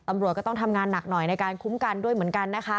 ตำรวจก็ต้องทำงานหนักหน่อยในการคุ้มกันด้วยเหมือนกันนะคะ